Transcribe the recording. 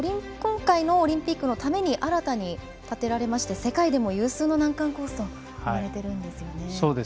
今回のオリンピックのために新たに建てられまして世界でも有数の難関コースといわれているんです。